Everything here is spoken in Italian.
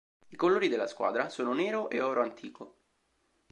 I colori della squadra sono nero e oro antico.